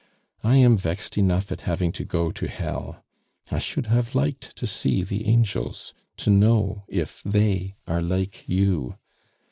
I am vexed enough at having to go to hell. I should have liked to see the angels, to know if they are like you.